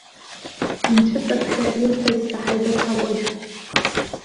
Инцәыҵакшәа илҳәаз саҳаит аҭакәажә.